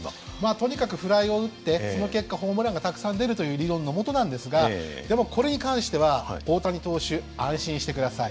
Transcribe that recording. とにかくフライを打ってその結果ホームランがたくさん出るという理論のもとなんですがでもこれに関しては大谷投手安心して下さい。